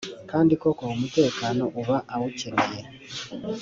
kandi koko umutekano uba uwukeneye